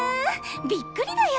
びっくりだよ！